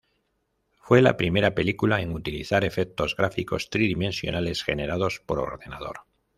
Fue la primera película en utilizar efectos gráficos tridimensionales generados por ordenador.